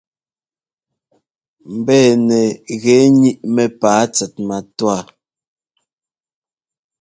Mbɛ̂nɛ gɛ́ níʼ mɛ́pǎa tsɛt matúwa.